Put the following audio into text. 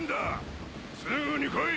すぐに来い。